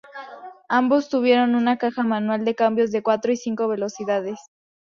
Ambos tuvieron una caja manual de cambios de cuatro y cinco velocidades.